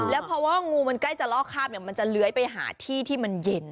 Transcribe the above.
แล้วพอว่างูมันใกล้จะล่อคาบมันจะเลื้อยไปหาที่ที่มันเย็น